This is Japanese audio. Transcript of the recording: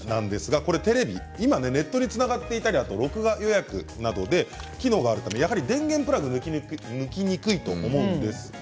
今ネットにつながっていたり録画予約などで機能があるからやはり電源プラグは抜きにくいと思うんです。